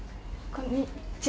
こんにちは